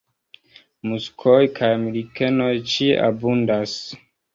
Muskoj kaj likenoj ĉie abundas.